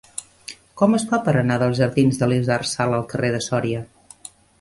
Com es fa per anar dels jardins d'Elisard Sala al carrer de Sòria?